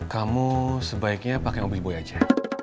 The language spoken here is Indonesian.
kamu sebaiknya pakai mobil boy aja